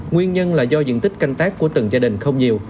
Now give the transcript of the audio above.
nguyên nhân là do diện tích canh tác của từng gia đình không nhiều